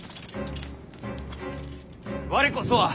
我こそは。